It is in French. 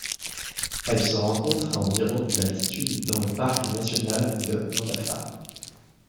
Elle se rencontre à environ d'altitude dans le parc national de Namdapha.